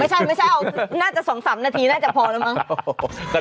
ไม่ใช่น่าจะสองสามนาทีน่าจะพอแล้วมั้ง